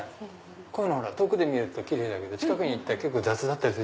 こういうの遠くだとキレイだけど近くに行ったら雑だったりする。